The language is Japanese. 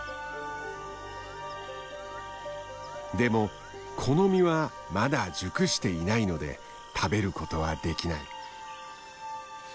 でもこの実はまだ熟していないので食べることはできない。